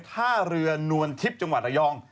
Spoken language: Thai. ท่าเรือนวลทิพย์จังหวัดระยอง